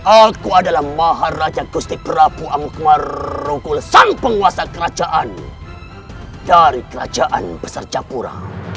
aku adalah maharaja gusti prabu amukmar rukul sang penguasa kerajaan dari kerajaan besar japura